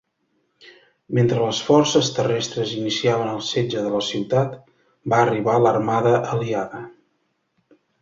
Mentre les forces terrestres iniciaven el setge de la ciutat, va arribar l'armada aliada.